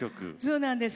そうなんです。